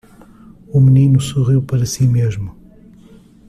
O menino sorriu para si mesmo.